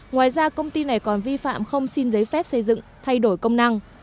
ngoài ra công ty này còn vi phạm không xin giấy phép xây dựng thay đổi công năng